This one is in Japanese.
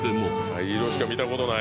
灰色しか見た事ない。